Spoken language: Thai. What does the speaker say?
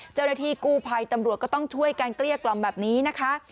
เจ้าหน้าที่กู้ภัยตำรวจก็ต้องช่วยการเกลี้ยกล่อมแบบนี้นะคะ